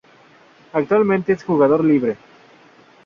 Actualmente es jugador libre.